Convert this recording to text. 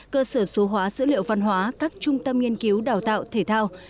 cơ sở số hóa dữ liệu văn hóa các trung tâm nghiên cứu đào tạo thể thao